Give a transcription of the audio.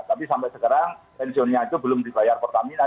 tapi sampai sekarang pensiunnya itu belum dibayar pertamina